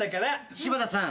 柴田さん。